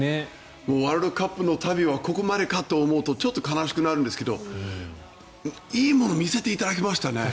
ワールドカップの旅はここまでかと思うとちょっと悲しくなるんですがいいものを見せてもらいましたね。